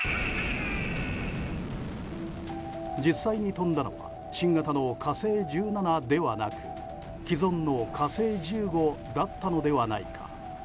実際に飛んだのは新型の「火星１７」ではなく既存の「火星１５」だったのではないか。